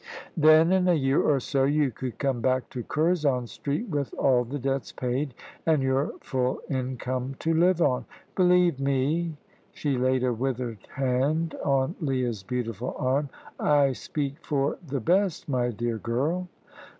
Then, in a year or so, you could come back to Curzon Street, with all the debts paid, and your full income to live on. Believe me" she laid a withered hand on Leah's beautiful arm "I speak for the best, my dear girl."